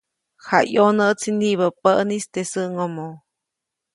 Jayʼonäʼtsi niʼibä päʼnis teʼ säʼŋomo.